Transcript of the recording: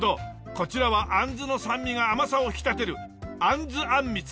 こちらはあんずの酸味が甘さを引き立てるあんずあんみつ。